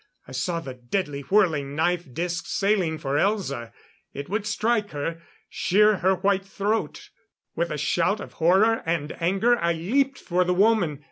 I saw the deadly whirling knife disc sailing for Elza.... It would strike her ... shear her white throat.... With a shout of horror and anger, I leaped for the woman.